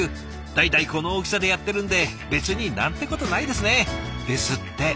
「代々この大きさでやってるんで別に何てことないですね」ですって。